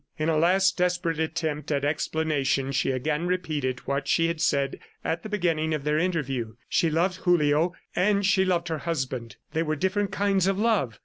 In a last desperate attempt at explanation she again repeated what she had said at the beginning of their interview. She loved Julio ... and she loved her husband. They were different kinds of love.